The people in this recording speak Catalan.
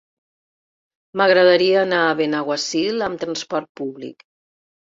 M'agradaria anar a Benaguasil amb transport públic.